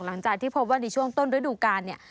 หลังจากที่พบว่าในช่วงต้นฤดูกาลเนี่ย